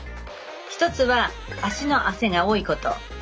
１つは足の汗が多いこと。